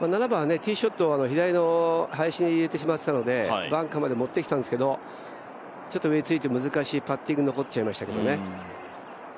６番ティーショットは左の林に入れてしまったのでバンカーまで持ってきたんですけどちょっと上について難しいパッティングが残っちゃいましたけどね。